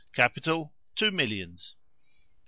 Capital, two millions. 85.